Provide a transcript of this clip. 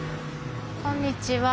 こんにちは。